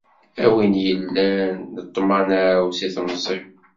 A win yellan d ṭṭmana-w si temẓi-w.